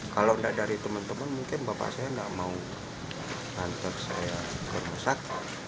kalau nggak dari teman teman mungkin bapak saya nggak mau hantar saya ke pusat